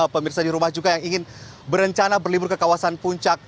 pemirsa di rumah juga yang ingin berencana berlibur ke kawasan puncak